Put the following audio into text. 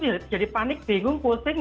bikin ketutup jadi panik bingung pusing